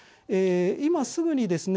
今すぐにですね